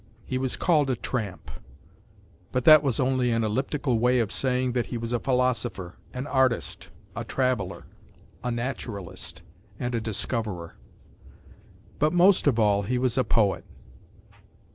He was called a tramp; but that was only an elliptical way of saying that he was a philosopher, an artist, a traveller, a naturalist and a discoverer. But most of all he was a poet.